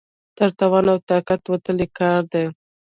تر توان او طاقت وتلی کار دی.